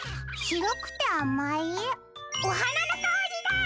おはなのかおりだ！